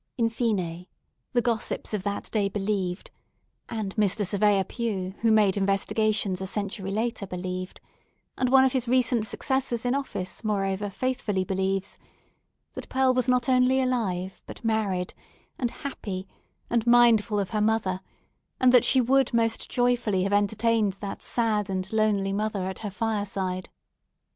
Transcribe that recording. In fine, the gossips of that day believed—and Mr. Surveyor Pue, who made investigations a century later, believed—and one of his recent successors in office, moreover, faithfully believes—that Pearl was not only alive, but married, and happy, and mindful of her mother; and that she would most joyfully have entertained that sad and lonely mother at her fireside.